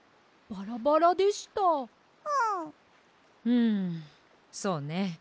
んそうね。